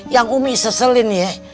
yang umi seselin ya